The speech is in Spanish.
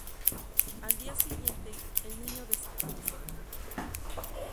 Al día siguiente, el niño desaparece.